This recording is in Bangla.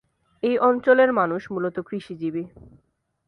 এই অঞ্চলের মানুষ মূলত কৃষিজীবী।